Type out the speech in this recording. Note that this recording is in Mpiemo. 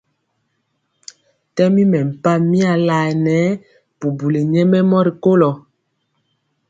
Tɛmi mɛmpah mia laɛnɛ bubuli nyɛmemɔ rikolo.